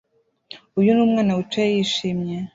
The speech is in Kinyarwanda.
Uyu ni umwana wicaye yishimye